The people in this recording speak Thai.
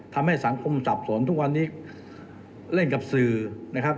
ทำให้สังคมสับสนทุกวันนี้เล่นกับสื่อนะครับ